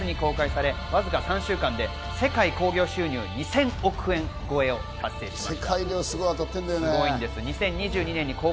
去年１２月に公開され、わずか３週間で世界興行収入２０００億円超えを達成しています。